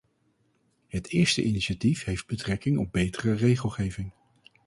Het eerste initiatief heeft betrekking op betere regelgeving.